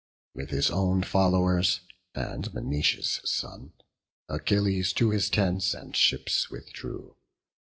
With his own followers, and Menoetius' son, Achilles to his tents and ships withdrew.